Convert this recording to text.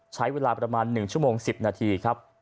ใช้เวลาประมาณ๑ชั่วโมง๑๐นาทีครับ